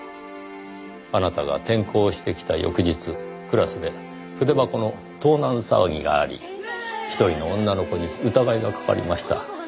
あなたが転校してきた翌日クラスで筆箱の盗難騒ぎがあり１人の女の子に疑いがかかりました。